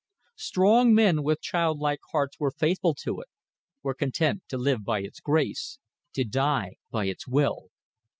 Strong men with childlike hearts were faithful to it, were content to live by its grace to die by its will.